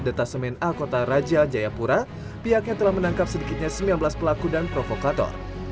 detasemen a kota raja jayapura pihaknya telah menangkap sedikitnya sembilan belas pelaku dan provokator